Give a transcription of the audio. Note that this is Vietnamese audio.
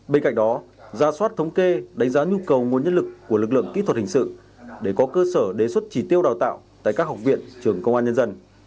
bên cạnh đó ra soát thống kê đánh giá nhu cầu nguồn nhân lực của lực lượng kỹ thuật hình sự để có cơ sở đề xuất chỉ tiêu đào tạo tại các học viện trường công an nhân dân